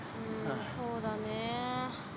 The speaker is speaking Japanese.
そうだね。